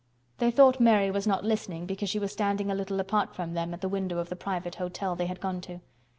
They thought Mary was not listening because she was standing a little apart from them at the window of the private hotel they had gone to.